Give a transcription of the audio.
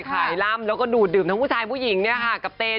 ล่ำแล้วก็ดูดดื่มทั้งผู้ชายผู้หญิงเนี่ยค่ะกับเต